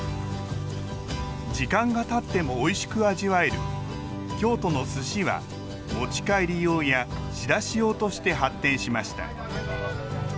時間がたってもおいしく味わえる京都の寿司は持ち帰り用や仕出し用として発展しました。